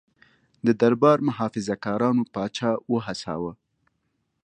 د دربار محافظه کارانو پاچا وهڅاوه.